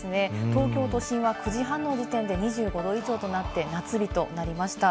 東京都心は９時半の時点で２５度以上となって夏日となりました。